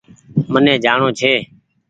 مهني جآڻو ڇي